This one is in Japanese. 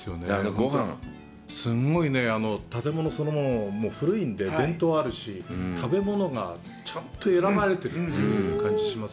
ごはん、すんごいね、すごい建物そのものも古いので伝統があるし、食べ物がちゃんと選ばれている、感じします。